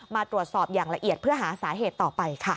มาตรวจสอบอย่างละเอียดเพื่อหาสาเหตุต่อไปค่ะ